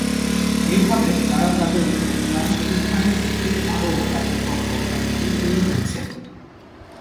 এইভাবে, তারা তাদের যোগদান প্রতিষ্ঠানের একটি আরো কার্যকর অবদানকারী হয়ে উঠছে।